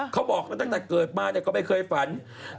เขาบอกถ้าเกิดมาก็ไม่เคยฝัน